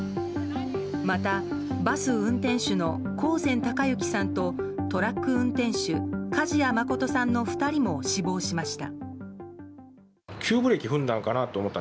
また、バス運転手の興膳孝幸さんとトラック運転手、梶谷誠さんの２人も死亡しました。